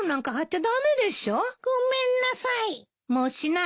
ごめんなさい。